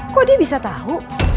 kok dia bisa tau